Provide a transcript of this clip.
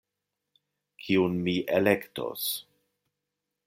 Kiun mi elektos.